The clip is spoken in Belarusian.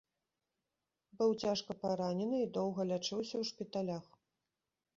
Быў цяжка паранены і доўга лячыўся ў шпіталях.